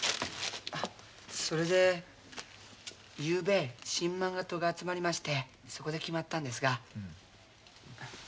それでゆうべ新漫画党が集まりましてそこで決まったんですが。